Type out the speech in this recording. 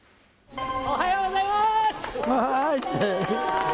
おはようございます。